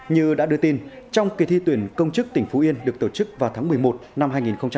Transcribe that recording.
như đã đưa tin trong kỳ thi tuyển công chức tỉnh phú yên được tổ chức vào tháng một mươi một năm hai nghìn một mươi chín